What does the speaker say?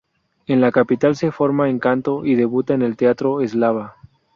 En la capital se forma en canto y debuta en el Teatro Eslava.